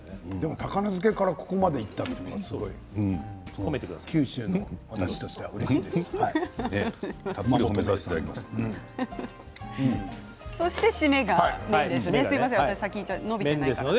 高菜漬けからここまでいったというのは九州の私としてはうれしいですね。